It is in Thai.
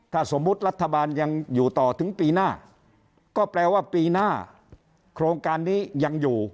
ถ้าสมมุติรัฐบาลยังอยู่ต่อถึงปีหน้าก็แปลว่าปีหน้าโครงการนี้ยังอยู่